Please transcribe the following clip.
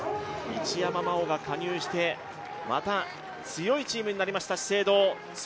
一山麻緒が加入してまた強いチームになりました、資生堂。